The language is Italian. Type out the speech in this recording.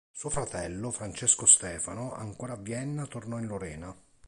Suo fratello, Francesco Stefano, ancora a Vienna tornò in Lorena.